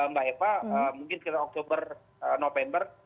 mbak eva mungkin sekitar oktober november